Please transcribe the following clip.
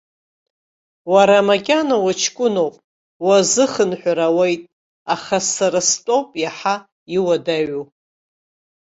Уара макьана уҷкәыноуп, уазыхынҳәыр ауеит, аха сара стәоуп иаҳа иуадаҩу.